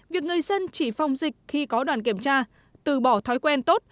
việc người dân chỉ phòng dịch khi có đoàn kiểm tra từ bỏ thói quen tốt